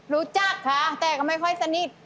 รู้จักค่ะแต่ก็ไม่ค่อยสนิท